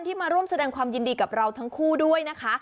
มาร่วมแสดงความยินดีกับเราทั้งคู่ด้วยนะคะ